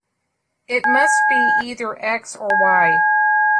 It must be either "X" or "Y".